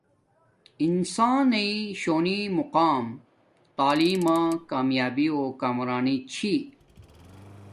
انسان نݵݵ شونی مقام تعیلم مانا کامیابی و کامرانی چھی